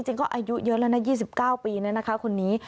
จริงก็อายุเยอะแล้วนะ๒๙ปีเนี่ยนะคะคนนี้